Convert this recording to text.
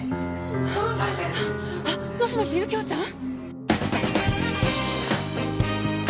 もしもし右京さん？